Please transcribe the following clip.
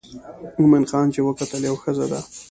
مومن خان چې وکتل یوه ښځه ده.